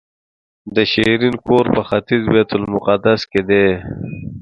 د شیرین کور په ختیځ بیت المقدس کې دی.